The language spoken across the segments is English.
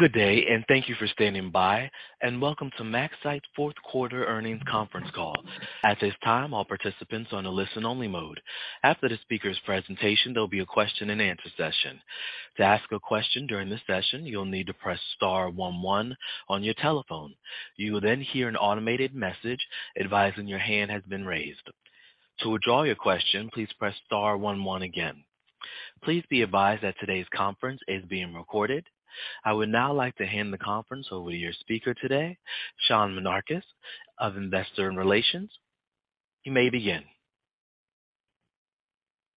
Good day, thank you for standing by, and welcome to MaxCyte's fourth quarter earnings conference call. At this time, all participants are on a listen only mode. After the speaker's presentation, there'll be a question and answer session. To ask a question during this session, you'll need to press star one one on your telephone. You will hear an automated message advising your hand has been raised. To withdraw your question, please press star 11 again. Please be advised that today's conference is being recorded. I would now like to hand the conference over to your speaker today, Sean Menarguez of Investor Relations. You may begin.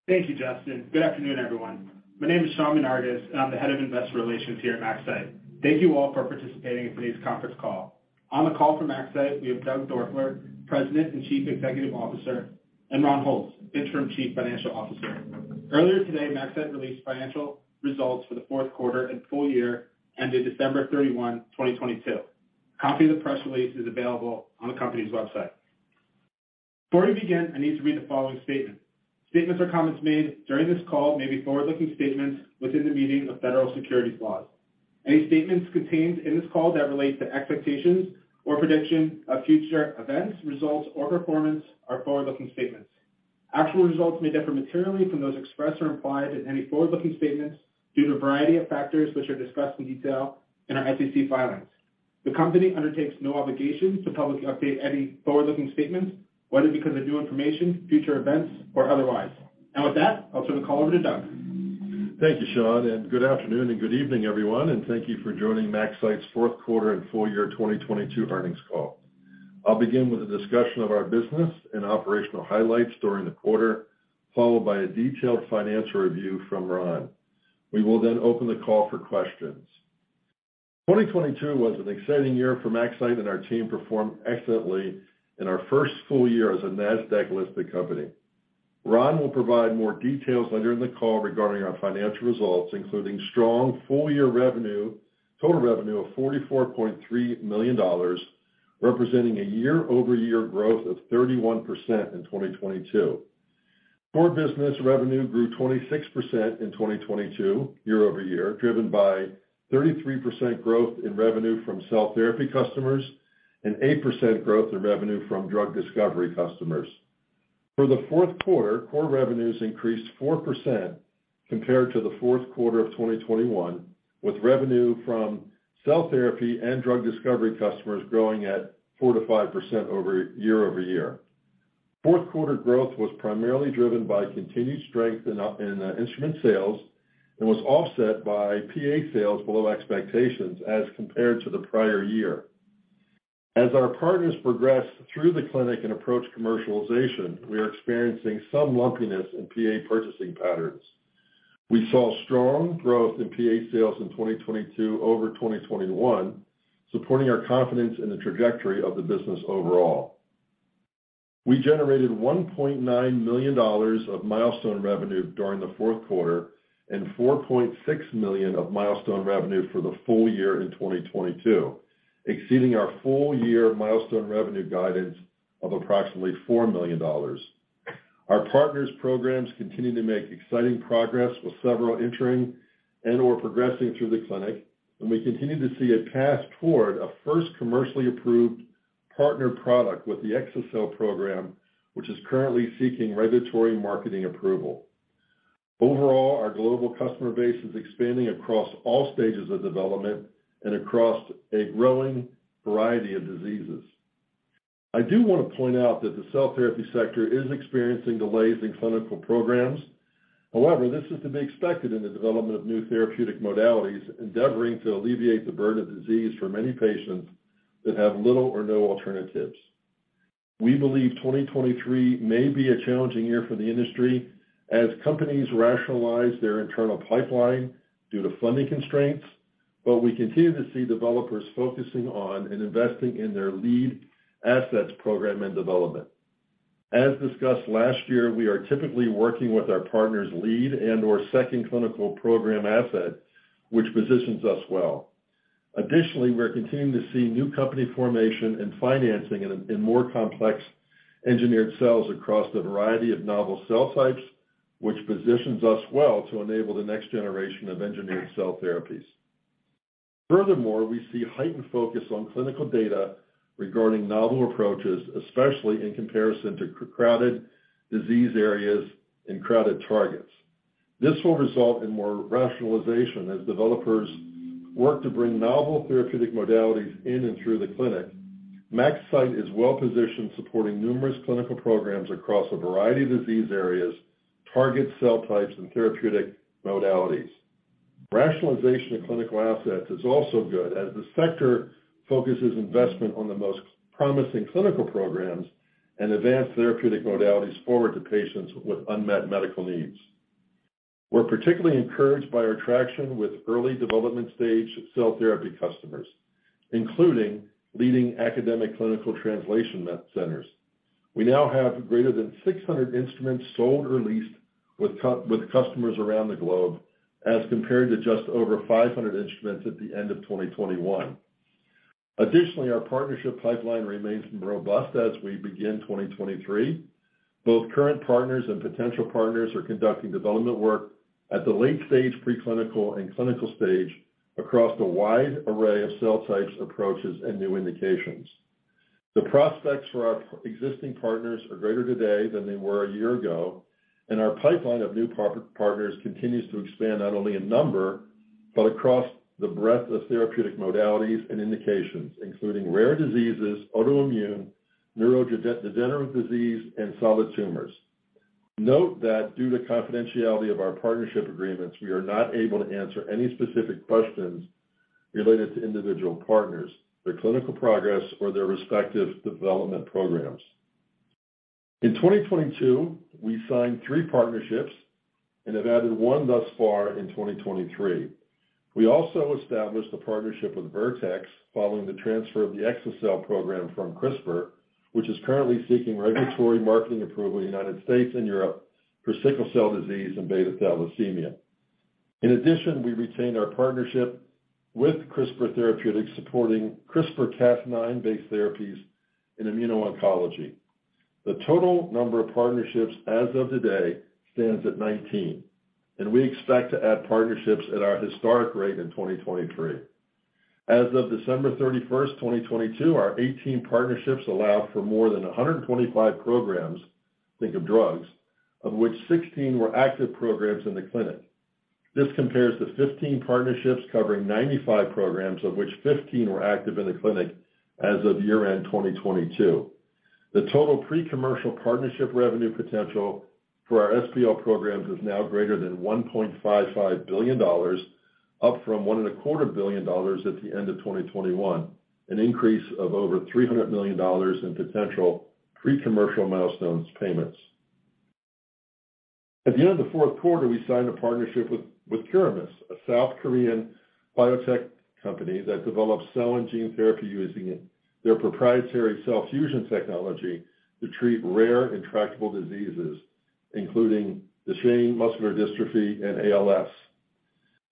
Thank you, Justin. Good afternoon, everyone. My name is Sean Menarguez, and I'm the Head of Investor Relations here at MaxCyte. Thank you all for participating in today's conference call. On the call from MaxCyte, we have Doug Doerfler, President and Chief Executive Officer, and Ron Holtz, Interim Chief Financial Officer. Earlier today, MaxCyte released financial results for the fourth quarter and full year ended December 31, 2022. A copy of the press release is available on the company's website. Before we begin, I need to read the following statement. Statements or comments made during this call may be forward-looking statements within the meaning of federal securities laws. Any statements contained in this call that relate to expectations or prediction of future events, results, or performance are forward-looking statements. Actual results may differ materially from those expressed or implied in any forward-looking statements due to a variety of factors which are discussed in detail in our SEC filings. The company undertakes no obligation to publicly update any forward-looking statements, whether because of new information, future events, or otherwise. With that, I'll turn the call over to Doug. Thank you, Sean, good afternoon and good evening, everyone, and thank you for joining MaxCyte's fourth quarter and full year 2022 earnings call. I'll begin with a discussion of our business and operational highlights during the quarter, followed by a detailed financial review from Ron. We will open the call for questions. 2022 was an exciting year for MaxCyte, our team performed excellently in our first full year as a Nasdaq-listed company. Ron will provide more details later in the call regarding our financial results, including strong full-year revenue, total revenue of $44.3 million, representing a year-over-year growth of 31% in 2022. Core business revenue grew 26% in 2022 year-over-year, driven by 33% growth in revenue from cell therapy customers and 8% growth in revenue from drug discovery customers. For the fourth quarter, core revenues increased 4% compared to the fourth quarter of 2021, with revenue from cell therapy and drug discovery customers growing at 4%-5% year-over-year. Fourth quarter growth was primarily driven by continued strength in instrument sales and was offset by PA sales below expectations as compared to the prior year. As our partners progress through the clinic and approach commercialization, we are experiencing some lumpiness in PA purchasing patterns. We saw strong growth in PA sales in 2022 over 2021, supporting our confidence in the trajectory of the business overall. We generated $1.9 million of milestone revenue during the fourth quarter and $4.6 million of milestone revenue for the full year in 2022, exceeding our full year milestone revenue guidance of approximately $4 million. Our partners' programs continue to make exciting progress with several entering and/or progressing through the clinic, and we continue to see a path toward a first commercially approved partner product with the exa-cel program, which is currently seeking regulatory marketing approval. Overall, our global customer base is expanding across all stages of development and across a growing variety of diseases. I do want to point out that the cell therapy sector is experiencing delays in clinical programs. However, this is to be expected in the development of new therapeutic modalities endeavoring to alleviate the burden of disease for many patients that have little or no alternatives. We believe 2023 may be a challenging year for the industry as companies rationalize their internal pipeline due to funding constraints, but we continue to see developers focusing on and investing in their lead assets program and development. As discussed last year, we are typically working with our partners' lead and/or second clinical program asset, which positions us well. We're continuing to see new company formation and financing in more complex engineered cells across the variety of novel cell types, which positions us well to enable the next generation of engineered cell therapies. We see heightened focus on clinical data regarding novel approaches, especially in comparison to crowded disease areas and crowded targets. This will result in more rationalization as developers work to bring novel therapeutic modalities in and through the clinic. MaxCyte is well positioned, supporting numerous clinical programs across a variety of disease areas, target cell types, and therapeutic modalities. Rationalization of clinical assets is also good as the sector focuses investment on the most promising clinical programs and advanced therapeutic modalities forward to patients with unmet medical needs. We're particularly encouraged by our traction with early development stage cell therapy customers, including leading academic clinical translation med centers. We now have greater than 600 instruments sold or leased with customers around the globe, as compared to just over 500 instruments at the end of 2021. Our partnership pipeline remains robust as we begin 2023. Both current partners and potential partners are conducting development work at the late stage preclinical and clinical stage across a wide array of cell types, approaches, and new indications. The prospects for our existing partners are greater today than they were a year ago, and our pipeline of new partners continues to expand not only in number, but across the breadth of therapeutic modalities and indications, including rare diseases, autoimmune, neurodegenerative disease, and solid tumors. Note that due to confidentiality of our partnership agreements, we are not able to answer any specific questions related to individual partners, their clinical progress, or their respective development programs. In 2022, we signed three partnerships and have added 1 thus far in 2023. We also established a partnership with Vertex following the transfer of the exa-cel program from CRISPR, which is currently seeking regulatory marketing approval in United States and Europe for sickle cell disease and beta thalassemia. In addition, we retained our partnership with CRISPR Therapeutics supporting CRISPR-Cas9-based therapies in immuno-oncology. The total number of partnerships as of today stands at 19, and we expect to add partnerships at our historic rate in 2023. As of December 31st, 2022, our 18 partnerships allow for more than 125 programs, think of drugs, of which 16 were active programs in the clinic. This compares to 15 partnerships covering 95 programs, of which 15 were active in the clinic as of year-end 2022. The total pre-commercial partnership revenue potential for our SPL programs is now greater than $1.55 billion, up from one and a quarter billion dollars at the end of 2021, an increase of over $300 million in potential pre-commercial milestones payments. At the end of the fourth quarter, we signed a partnership with Curamys, a South Korean biotech company that develops cell and gene therapy using their proprietary cell fusion technology to treat rare intractable diseases, including Duchenne muscular dystrophy and ALS.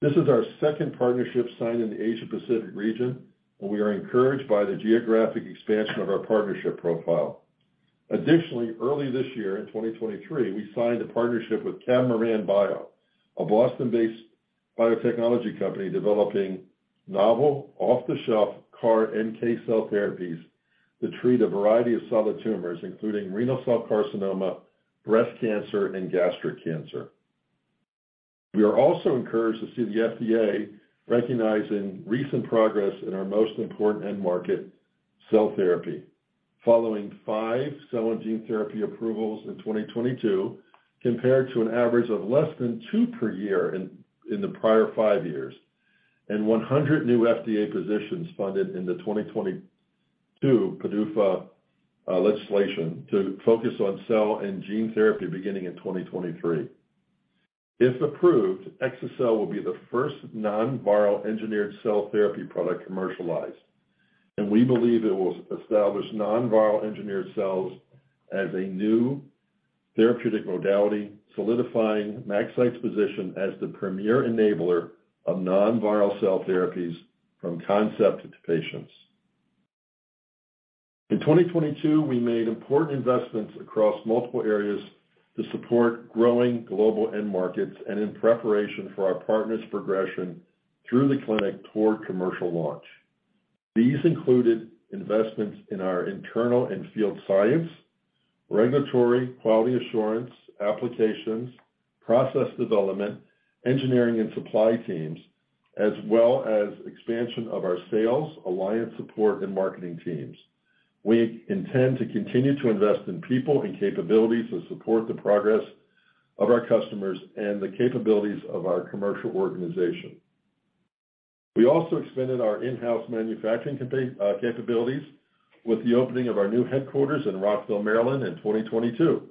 This is our second partnership signed in the Asia Pacific region. We are encouraged by the geographic expansion of our partnership profile. Additionally, early this year in 2023, we signed a partnership with Catamaran Bio, a Boston-based biotechnology company developing novel off-the-shelf CAR NK cell therapies to treat a variety of solid tumors, including renal cell carcinoma, breast cancer, and gastric cancer. We are also encouraged to see the FDA recognizing recent progress in our most important end market, cell therapy, following five cell and gene therapy approvals in 2022 compared to an average of less than two per year in the prior five years, and 100 new FDA positions funded in the 2022 PDUFA legislation to focus on cell and gene therapy beginning in 2023. If approved, exa-cel will be the first non-viral engineered cell therapy product commercialized, and we believe it will establish non-viral engineered cells as a new therapeutic modality, solidifying MaxCyte's position as the premier enabler of non-viral cell therapies from concept to patients. In 2022, we made important investments across multiple areas to support growing global end markets and in preparation for our partners' progression through the clinic toward commercial launch. These included investments in our internal and field science, regulatory, quality assurance, applications, process development, engineering, and supply teams, as well as expansion of our sales, alliance support, and marketing teams. We intend to continue to invest in people and capabilities to support the progress of our customers and the capabilities of our commercial organization. We also expanded our in-house manufacturing capabilities with the opening of our new headquarters in Rockville, Maryland in 2022.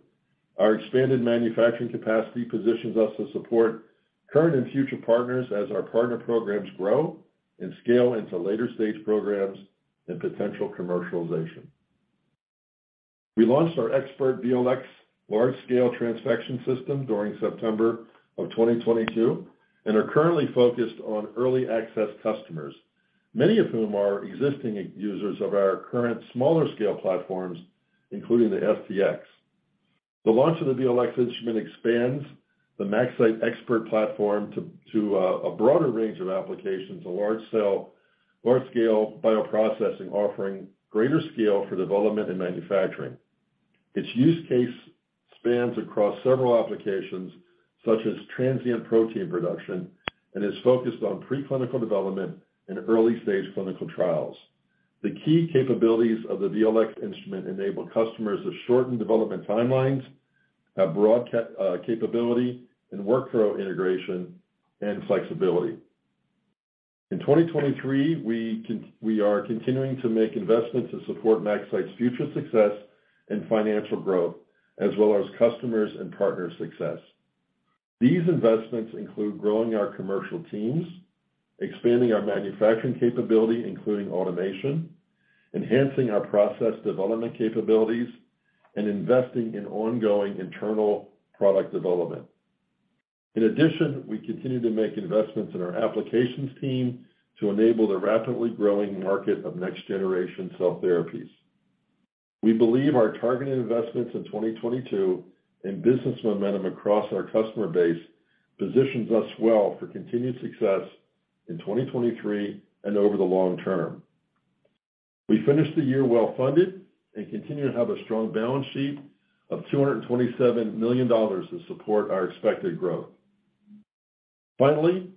Our expanded manufacturing capacity positions us to support current and future partners as our partner programs grow and scale into later stage programs and potential commercialization. We launched our ExPERT VLx large-scale transfection system during September of 2022 and are currently focused on early access customers, many of whom are existing users of our current smaller scale platforms, including the STx. The launch of the VLx instrument expands the MaxCyte ExPERT platform to a broader range of applications of large-scale bioprocessing, offering greater scale for development and manufacturing. Its use case spans across several applications such as transient protein production and is focused on preclinical development and early-stage clinical trials. The key capabilities of the VLx instrument enable customers to shorten development timelines, have broad capability and workflow integration and flexibility. In 2023, we are continuing to make investments to support MaxCyte's future success and financial growth as well as customers' and partners' success. These investments include growing our commercial teams, expanding our manufacturing capability, including automation, enhancing our process development capabilities, and investing in ongoing internal product development. In addition, we continue to make investments in our applications team to enable the rapidly growing market of next-generation cell therapies. We believe our targeted investments in 2022 and business momentum across our customer base positions us well for continued success in 2023 and over the long term. We finished the year well-funded and continue to have a strong balance sheet of $227 million to support our expected growth. Finally,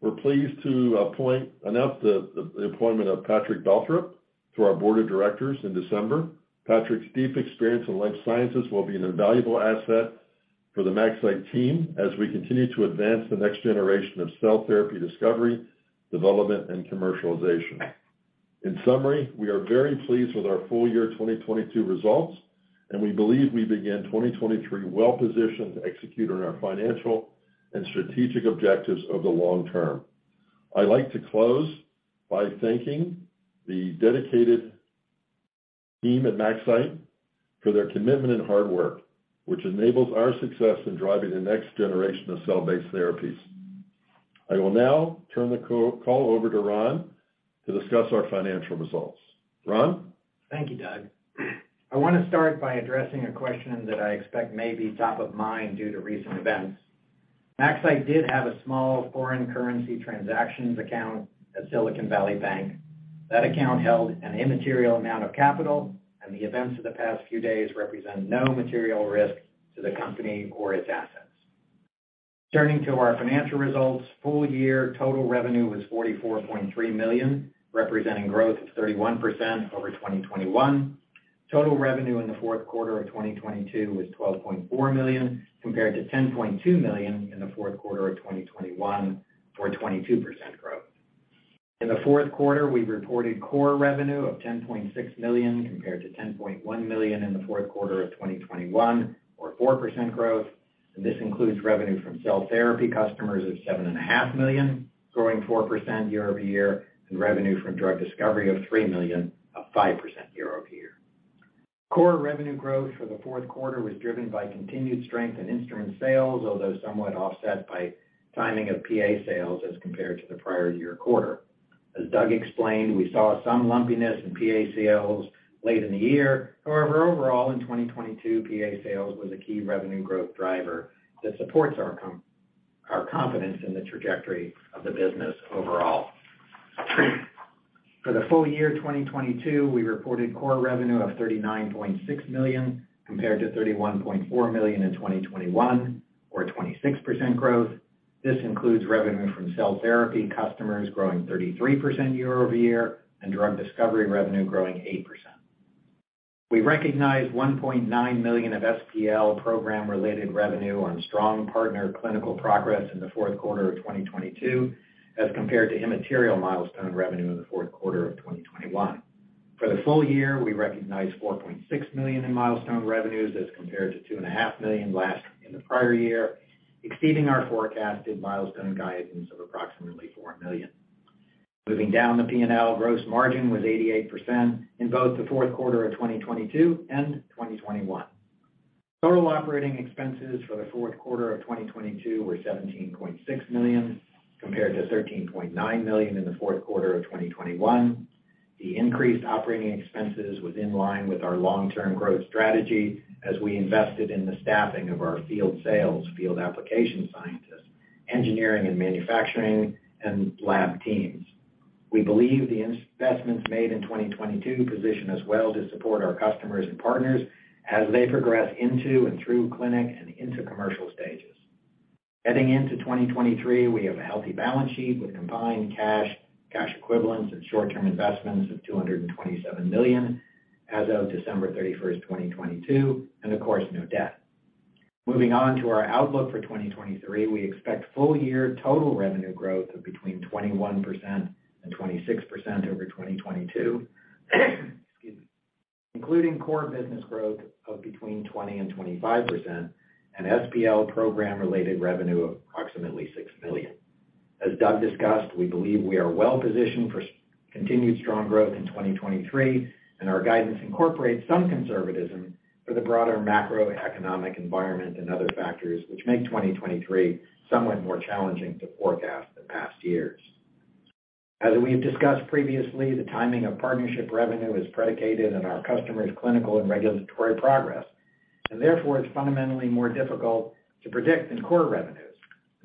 we're pleased to announce the appointment of Patrick Balthrop to our board of directors in December. Patrick's deep experience in life sciences will be an invaluable asset for the MaxCyte team as we continue to advance the next generation of cell therapy discovery, development, and commercialization. In summary, we are very pleased with our full year 2022 results. We believe we began 2023 well-positioned to execute on our financial and strategic objectives over the long term. I'd like to close by thanking the dedicated team at MaxCyte for their commitment and hard work, which enables our success in driving the next generation of cell-based therapies. I will now turn the call over to Ron to discuss our financial results. Ron? Thank you, Doug. I want to start by addressing a question that I expect may be top of mind due to recent events. MaxCyte did have a small foreign currency transactions account at Silicon Valley Bank. That account held an immaterial amount of capital, and the events of the past few days represent no material risk to the company or its assets. Turning to our financial results, full year total revenue was $44.3 million, representing growth of 31% over 2021. Total revenue in the fourth quarter of 2022 was $12.4 million, compared to $10.2 million in the fourth quarter of 2021, for a 22% growth. In the fourth quarter, we reported core revenue of $10.6 million compared to $10.1 million in the fourth quarter of 2021, or 4% growth. This includes revenue from cell therapy customers of seven and a half million, growing 4% year-over-year, and revenue from drug discovery of $3 million, up 5% year-over-year. Core revenue growth for the fourth quarter was driven by continued strength in instrument sales, although somewhat offset by timing of PA sales as compared to the prior year quarter. As Doug explained, we saw some lumpiness in PA sales late in the year. However, overall, in 2022, PA sales was a key revenue growth driver that supports our confidence in the trajectory of the business overall. For the full year 2022, we reported core revenue of $39.6 million, compared to $31.4 million in 2021, or 26% growth. This includes revenue from cell therapy customers growing 33% year-over-year, and drug discovery revenue growing 8%. We recognized $1.9 million of SPL program-related revenue on strong partner clinical progress in the fourth quarter of 2022, as compared to immaterial milestone revenue in the fourth quarter of 2021. For the full year, we recognized $4.6 million in milestone revenues as compared to $2.5 million in the prior year, exceeding our forecasted milestone guidance of approximately $4 million. Moving down the P&L, gross margin was 88% in both the fourth quarter of 2022 and 2021. Total operating expenses for the fourth quarter of 2022 were $17.6 million, compared to $13.9 million in the fourth quarter of 2021. The increased operating expenses was in line with our long-term growth strategy as we invested in the staffing of our field sales, field application scientists, engineering and manufacturing, and lab teams. We believe the investments made in 2022 position us well to support our customers and partners as they progress into and through clinic and into commercial stages. Heading into 2023, we have a healthy balance sheet with combined cash equivalents, and short-term investments of $227 million as of December 31st, 2022, and of course, no debt. Moving on to our outlook for 2023, we expect full year total revenue growth of between 21% and 26% over 2022, excuse me, including core business growth of between 20% and 25% and SPL program-related revenue of approximately $6 million. As Doug discussed, we believe we are well-positioned for continued strong growth in 2023, our guidance incorporates some conservatism for the broader macroeconomic environment and other factors which make 2023 somewhat more challenging to forecast than past years. As we have discussed previously, the timing of partnership revenue is predicated on our customers' clinical and regulatory progress, therefore it's fundamentally more difficult to predict than core revenues.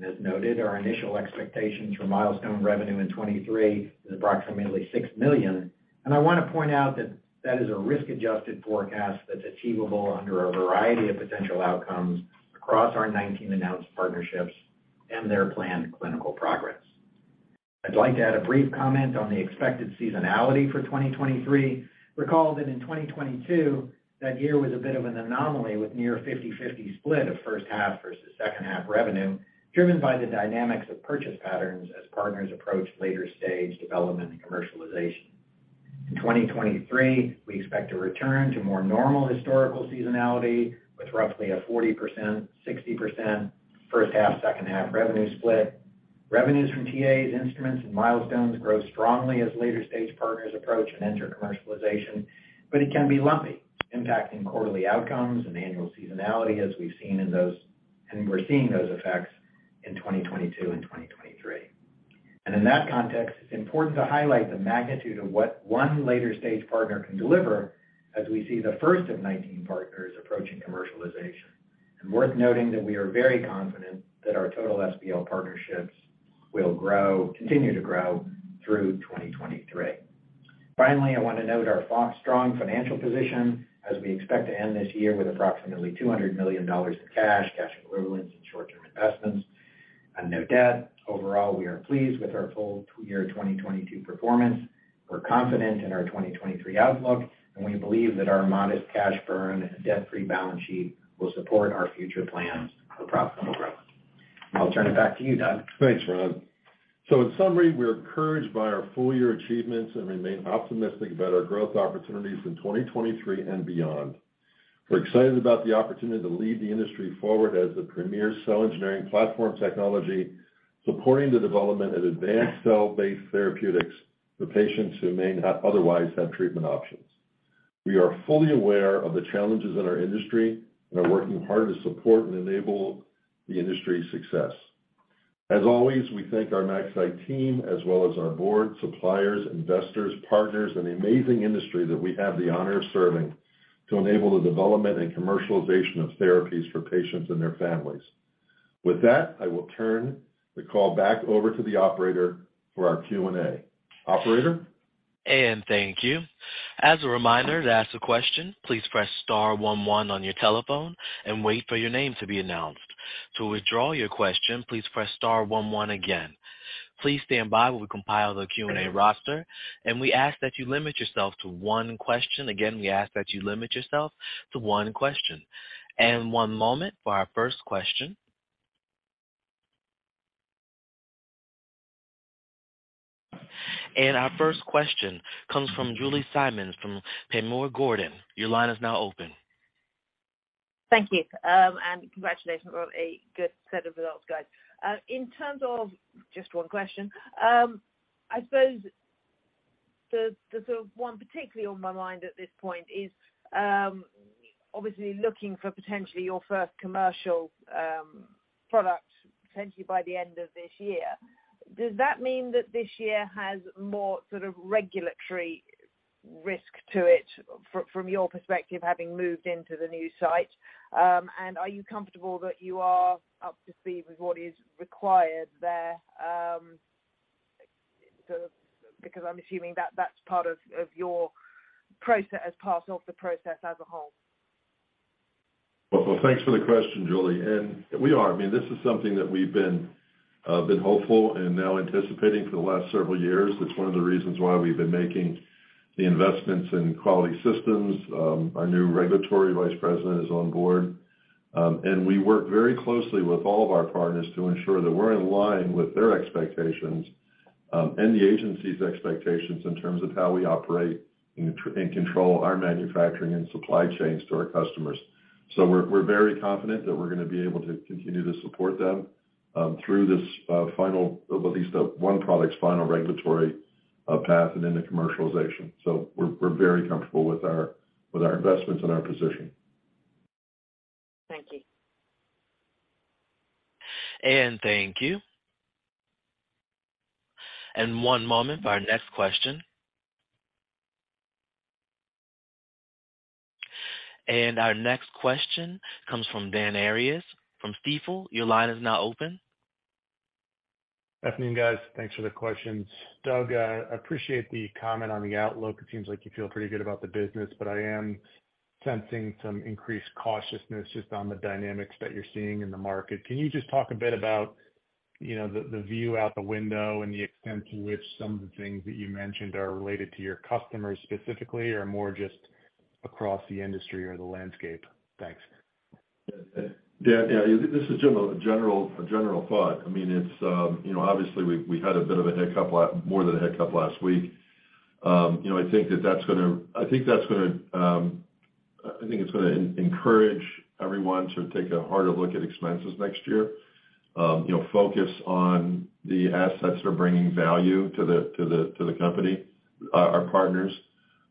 As noted, our initial expectations for milestone revenue in 2023 is approximately $6 million. I wanna point out that that is a risk-adjusted forecast that's achievable under a variety of potential outcomes across our 19 announced partnerships and their planned clinical progress. I'd like to add a brief comment on the expected seasonality for 2023. Recall that in 2022, that year was a bit of an anomaly with near 50/50 split of first half versus second half revenue, driven by the dynamics of purchase patterns as partners approached later stage development and commercialization. We expect to return to more normal historical seasonality with roughly a 40%, 60% first half, second half revenue split. Revenues from TAs, instruments, and milestones grow strongly as later-stage partners approach and enter commercialization, it can be lumpy, impacting quarterly outcomes and annual seasonality as we're seeing those effects in 2022 and 2023. In that context, it's important to highlight the magnitude of what one later-stage partner can deliver as we see the first of 19 partners approaching commercialization. Worth noting that we are very confident that our total SPL partnerships will continue to grow through 2023. Finally, I want to note our strong financial position as we expect to end this year with approximately $200 million in cash equivalents, and short-term investments and no debt. Overall, we are pleased with our full two year 2022 performance. We're confident in our 2023 outlook, and we believe that our modest cash burn and debt-free balance sheet will support our future plans for profitable growth. I'll turn it back to you, Doug. Thanks, Ron. In summary, we're encouraged by our full-year achievements and remain optimistic about our growth opportunities in 2023 and beyond. We're excited about the opportunity to lead the industry forward as the premier cell engineering platform technology, supporting the development of advanced cell-based therapeutics for patients who may not otherwise have treatment options. We are fully aware of the challenges in our industry and are working hard to support and enable the industry's success. As always, we thank our MaxCyte team as well as our board, suppliers, investors, partners, and the amazing industry that we have the honor of serving to enable the development and commercialization of therapies for patients and their families. With that, I will turn the call back over to the operator for our Q&A. Operator? Thank you. As a reminder, to ask a question, please press star one one on your telephone and wait for your name to be announced. To withdraw your question, please press star one one again. Please stand by while we compile the Q&A roster. We ask that you limit yourself to one question. Again, we ask that you limit yourself to one question. One moment for our first question. Our first question comes from Julie Simmonds from Panmure Gordon. Your line is now open. Thank you. Congratulations on a good set of results, guys. In terms of just one question, I suppose the sort of one particularly on my mind at this point is obviously looking for potentially your first commercial product potentially by the end of this year. Does that mean that this year has more sort of regulatory risk to it from your perspective, having moved into the new site? Are you comfortable that you are up to speed with what is required there, sort of because I'm assuming that that's part of your process, as part of the process as a whole? Thanks for the question, Julie. We are. I mean, this is something that we've been hopeful and now anticipating for the last several years. It's one of the reasons why we've been making the investments in quality systems. Our new regulatory vice president is on board. We work very closely with all of our partners to ensure that we're in line with their expectations and the agency's expectations in terms of how we operate and control our manufacturing and supply chains to our customers. We're, we're very confident that we're gonna be able to continue to support them through this final, at least, one product's final regulatory path and into commercialization. We're, we're very comfortable with our, with our investments and our position. Thank you. Thank you. One moment for our next question. Our next question comes from Dan Arias from Stifel. Your line is now open. Good afternoon, guys. Thanks for the questions. Doug, I appreciate the comment on the outlook. It seems like you feel pretty good about the business. I am sensing some increased cautiousness just on the dynamics that you're seeing in the market. Can you just talk a bit about, you know, the view out the window and the extent to which some of the things that you mentioned are related to your customers specifically or more just across the industry or the landscape? Thanks. Yeah. This is general thought. I mean, it's, you know, obviously, we had a bit of a hiccup more than a hiccup last week. You know, I think that's gonna encourage everyone to take a harder look at expenses next year, you know, focus on the assets that are bringing value to the company, our partners.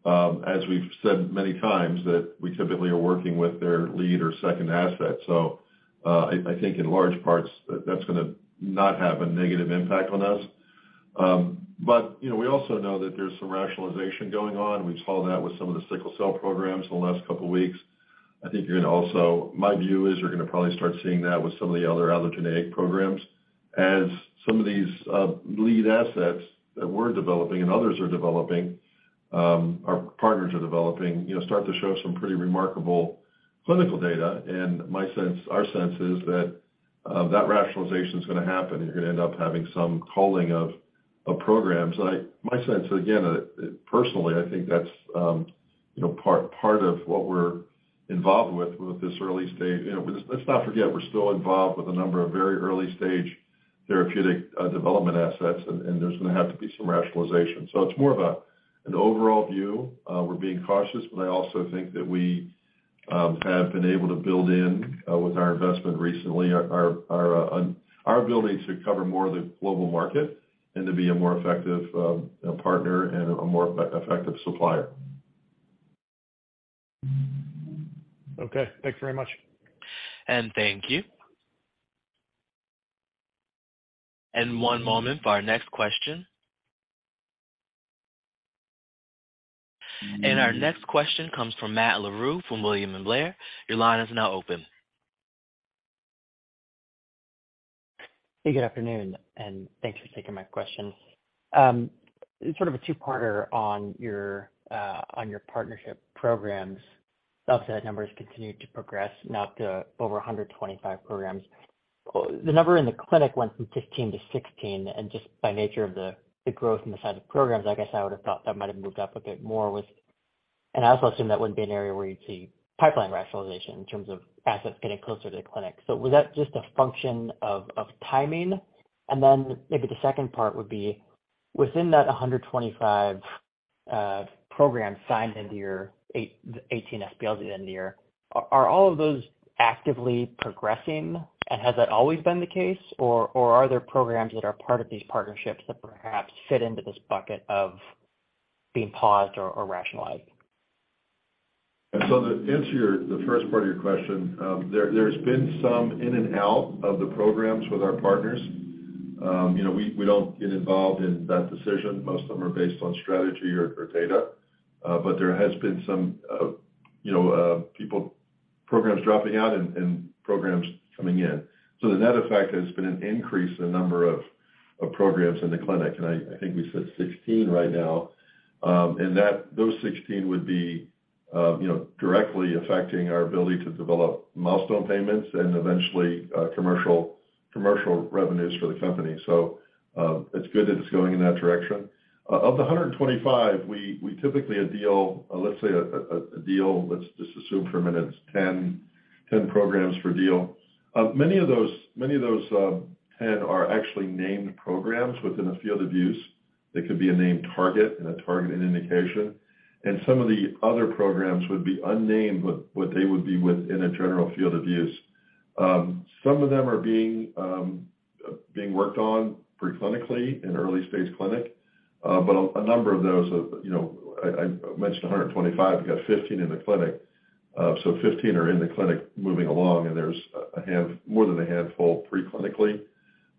As we've said many times that we typically are working with their lead or second asset. I think in large parts that's gonna not have a negative impact on us. You know, we also know that there's some rationalization going on. We saw that with some of the sickle cell programs in the last couple weeks. I think you're gonna also... My view is you're gonna probably start seeing that with some of the other allogeneic programs as some of these, lead assets that we're developing and others are developing, our partners are developing, you know, start to show some pretty remarkable clinical data. My sense, our sense is that rationalization is gonna happen, and you're gonna end up having some culling of programs. My sense, again, personally, I think that's, you know, part of what we're involved with this early stage. You know, let's not forget we're still involved with a number of very early-stage therapeutic, development assets, and there's gonna have to be some rationalization. It's more of an overall view. We're being cautious, but I also think that we have been able to build in with our investment recently our ability to cover more of the global market and to be a more effective partner and a more effective supplier. Okay. Thanks very much. Thank you. One moment for our next question. Our next question comes from Matt Larew from William Blair. Your line is now open. Hey, good afternoon, and thanks for taking my question. sort of a two-parter on your partnership programs. Outside numbers continue to progress now up to over 125 programs. The number in the clinic went from 15 to 16, just by nature of the growth in the size of programs, I guess I would have thought that might have moved up a bit more with--I also assume that wouldn't be an area where you'd see pipeline rationalization in terms of assets getting closer to the clinic. Was that just a function of timing? Then maybe the second part would be within that 125 programs signed into your 8-18 SPLs at the end of the year, are all of those actively progressing? Has that always been the case, or are there programs that are part of these partnerships that perhaps fit into this bucket of being paused or rationalized? To answer the first part of your question, there's been some in and out of the programs with our partners. you know, we don't get involved in that decision. Most of them are based on strategy or data, but there has been some, you know, programs dropping out and programs coming in. The net effect has been an increase in the number of programs in the clinic, and I think we said 16 right now. And those 16 would be, you know, directly affecting our ability to develop milestone payments and eventually commercial revenues for the company. It's good that it's going in that direction. Of the 125 we typically a deal, let's say a deal, let's just assume for a minute it's 10 programs per deal. Many of those 10 are actually named programs within a field of use. They could be a named target in a targeted indication, and some of the other programs would be unnamed, but what they would be with in a general field of use. Some of them are being worked on pre-clinically in early stage clinic, but a number of those are, you know, I mentioned 125, we've got 15 in the clinic. 15 are in the clinic moving along and there's more than a handful pre-clinically.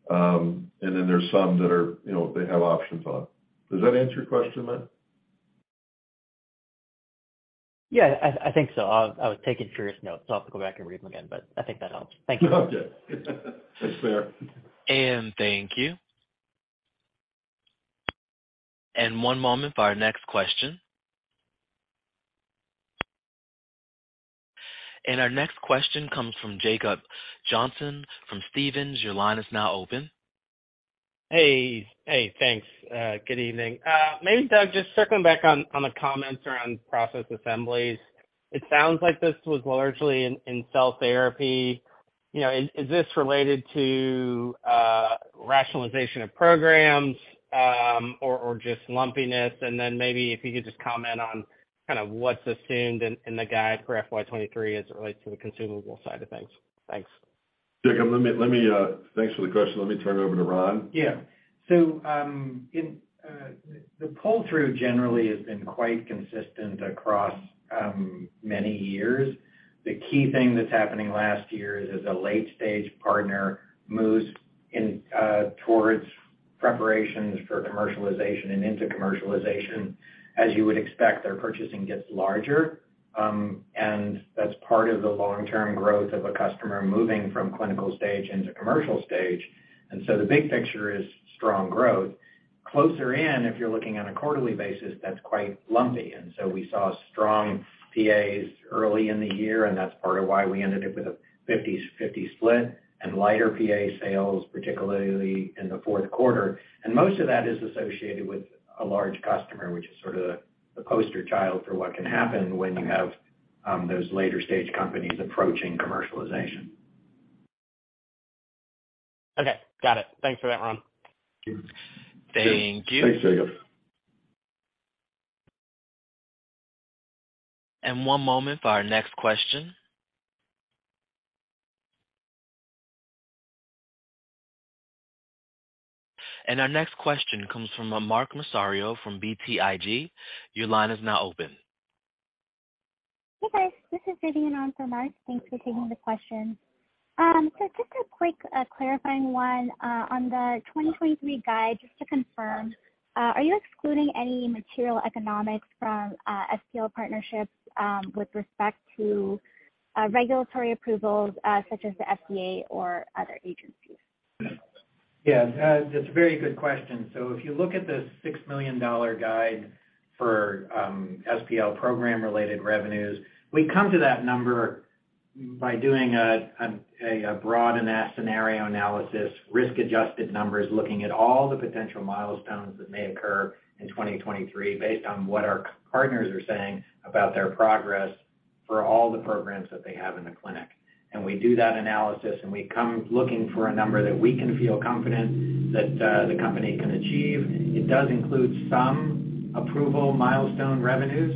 There's some that are, you know, they have options on. Does that answer your question, Matt? Yeah. I think so. I was taking furious notes. I'll have to go back and read them again, but I think that helps. Thank you. Okay. That's fair. Thank you. One moment for our next question. Our next question comes from Jacob Johnson from Stephens. Your line is now open. Hey. Hey, thanks. Good evening. Maybe, Doug, just circling back on the comments around process assemblies. It sounds like this was largely in cell therapy, you know, is this related to rationalization of programs, or just lumpiness? Then maybe if you could just comment on kind of what's assumed in the guide for FY 2023 as it relates to the consumable side of things. Thanks. Jacob, let me, thanks for the question. Let me turn it over to Ron. Yeah. The pull-through generally has been quite consistent across many years. The key thing that's happening last year is as a late-stage partner moves in towards preparations for commercialization and into commercialization, as you would expect, their purchasing gets larger, and that's part of the long-term growth of a customer moving from clinical stage into commercial stage. The big picture is strong growth. Closer in, if you're looking on a quarterly basis, that's quite lumpy. We saw strong PAs early in the year, and that's part of why we ended up with a 50/50 split and lighter PA sales, particularly in the fourth quarter. Most of that is associated with a large customer, which is sort of the poster child for what can happen when you have those later stage companies approaching commercialization. Okay. Got it. Thanks for that, Ron. Sure. Thank you. Thanks, Jacob. One moment for our next question. Our next question comes from, Mark Massaro from BTIG. Your line is now open. Hey, guys. This is Vivian on for Mark. Thanks for taking the question. Just a quick clarifying one on the 2023 guide, just to confirm, are you excluding any material economics from SPL partnerships with respect to regulatory approvals such as the FDA or other agencies? Yeah. That's a very good question. If you look at the $6 million guide for SPL program-related revenues, we come to that number by doing a broad and a scenario analysis, risk-adjusted numbers, looking at all the potential milestones that may occur in 2023 based on what our partners are saying about their progress for all the programs that they have in the clinic. We do that analysis, and we come looking for a number that we can feel confident that the company can achieve. It does include some approval milestone revenues,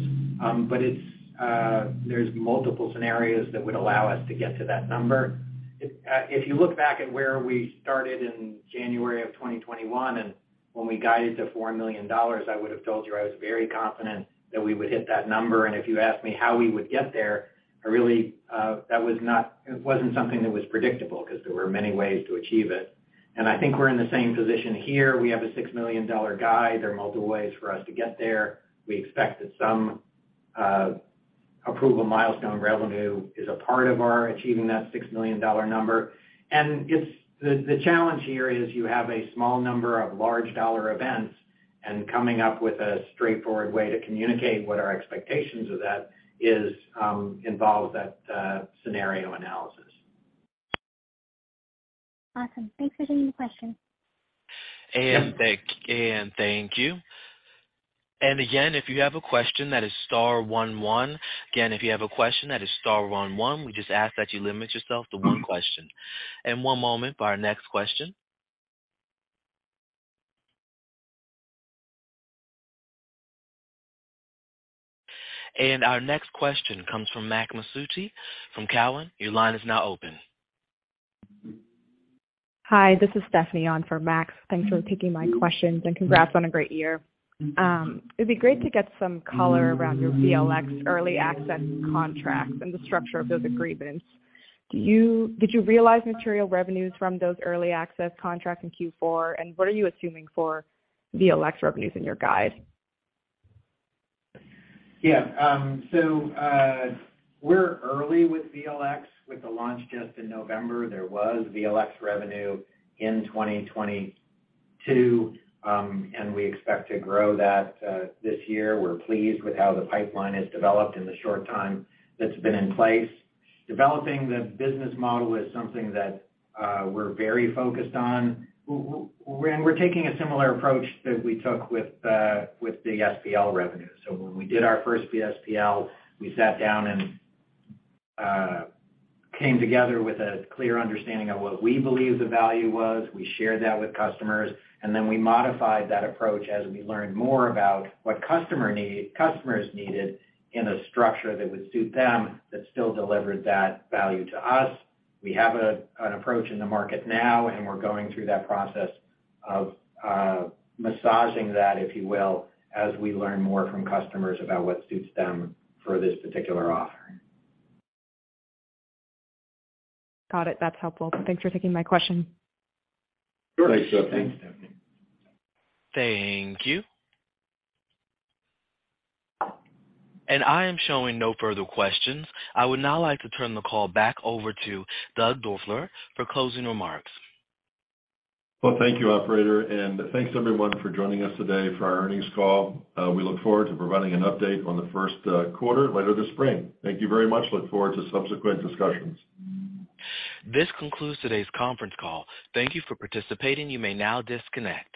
but it's there's multiple scenarios that would allow us to get to that number. If you look back at where we started in January 2021 and when we guided to $4 million, I would have told you I was very confident that we would hit that number. If you asked me how we would get there, I really, it wasn't something that was predictable because there were many ways to achieve it. I think we're in the same position here. We have a $6 million guide. There are multiple ways for us to get there. We expect that some approval milestone revenue is a part of our achieving that $6 million number. The challenge here is you have a small number of large dollar events and coming up with a straightforward way to communicate what our expectations of that is, involves that scenario analysis. Awesome. Thanks for taking the question. Thank you. Again, if you have a question, that is star one one. Again, if you have a question, that is star one. We just ask that you limit yourself to one question. one moment for our next question. Our next question comes from Max Masucci from Cowen. Your line is now open. Hi, this is Stephanie on for Max. Thanks for taking my questions and congrats on a great year. It'd be great to get some color around your VLx early access contracts and the structure of those agreements. Did you realize material revenues from those early access contracts in Q4, and what are you assuming for VLx revenues in your guide? Yeah. So, we're early with VLX with the launch just in November. There was VLX revenue in 2022, and we expect to grow that this year. We're pleased with how the pipeline has developed in the short time that's been in place. Developing the business model is something that we're very focused on. We're taking a similar approach that we took with the SPL revenue. When we did our first SPL, we sat down and came together with a clear understanding of what we believe the value was. We shared that with customers, and then we modified that approach as we learned more about what customers needed in a structure that would suit them, that still delivered that value to us. We have an approach in the market now, and we're going through that process of massaging that, if you will, as we learn more from customers about what suits them for this particular offering. Got it. That's helpful. Thanks for taking my question. Sure. Thanks, Stephanie. Thank you. I am showing no further questions. I would now like to turn the call back over to Doug Doerfler for closing remarks. Well, thank you, operator. Thanks everyone for joining us today for our earnings call. We look forward to providing an update on the first quarter later this spring. Thank you very much. Look forward to subsequent discussions. This concludes today's conference call. Thank you for participating. You may now disconnect.